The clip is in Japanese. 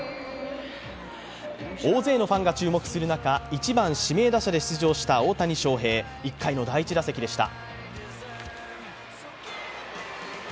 大勢のファンが注目する中、１番・指名打者で出場した大谷翔平、１回の第１打席でした。